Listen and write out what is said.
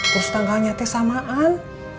terus tangganya samaan